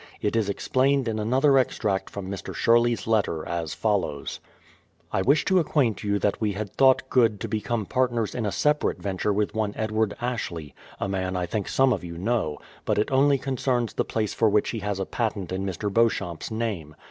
It is explained in another ex tract from Mr. Sherley's letter, as follows : I wish to acquaint you that we have thought good to becom« partners in a separate venture with one Edward Ashley— a man I think some of you know— but it only concerns the place for which he has a patent in Mr. Beauchamp's name.